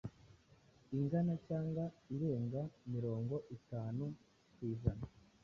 ingana cyangwa irenga mirongo itanu ku ijana